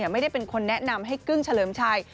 ไม่ได้เป็นคนแนะนำให้กึ้งเฉลิมชัย